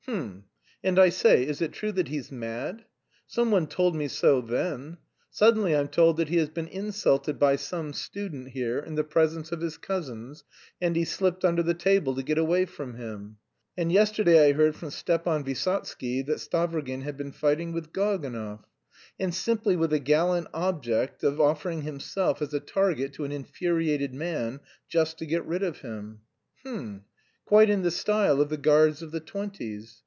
H'm! And, I say, is it true that he's mad? Some one told me so then. Suddenly I'm told that he has been insulted by some student here, in the presence of his cousins, and he slipped under the table to get away from him. And yesterday I heard from Stepan Vysotsky that Stavrogin had been fighting with Gaganov. And simply with the gallant object of offering himself as a target to an infuriated man, just to get rid of him. H'm! Quite in the style of the guards of the twenties.